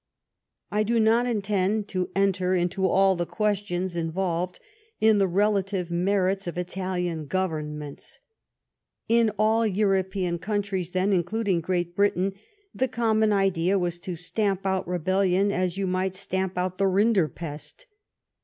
I do not intend to enter into all the questions involved in the relative merits of Italian governments. In all European coun tries then, including Great Britain, the common idea was to stamp out rebellion as you might stamp out the rinderpest.